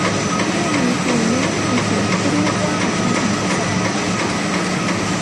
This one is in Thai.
แง่นี้จึงไม่น่ามีสิ่งที่เรียกว่า "อาหารอิสลาม" ไหมครับ